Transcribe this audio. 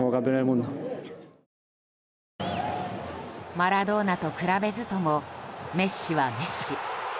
マラドーナと比べずともメッシはメッシ。